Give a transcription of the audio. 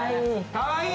かわいい！